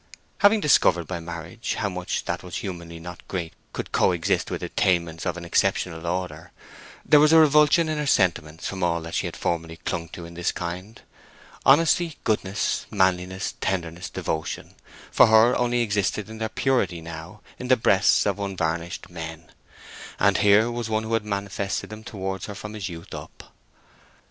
Having discovered by marriage how much that was humanly not great could co exist with attainments of an exceptional order, there was a revulsion in her sentiments from all that she had formerly clung to in this kind: honesty, goodness, manliness, tenderness, devotion, for her only existed in their purity now in the breasts of unvarnished men; and here was one who had manifested them towards her from his youth up.